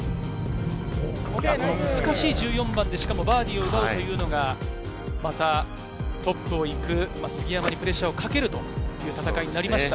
難しい１４番で、しかもバーディーを奪うというのが、トップを行く杉山にプレッシャーをかけるという戦いになりました。